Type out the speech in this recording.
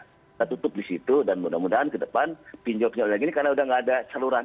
kita tutup di situ dan mudah mudahan ke depan pinjol pinjol lagi ini karena udah nggak ada saluran